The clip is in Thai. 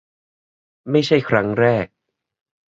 ไม่ใช่ครั้งแรก